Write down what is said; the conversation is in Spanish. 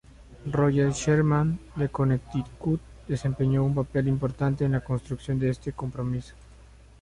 Roger Sherman, de Connecticut, desempeñó un papel importante en la construcción de este compromiso.